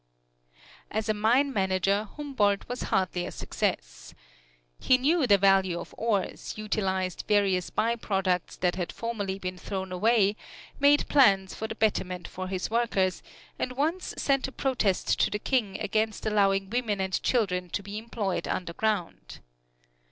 As a mine manager Humboldt was hardly a success. He knew the value of ores, utilized various by products that had formerly been thrown away, made plans for the betterment of his workers, and once sent a protest to the King against allowing women and children to be employed underground.